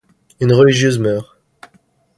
Une religieuse meurt.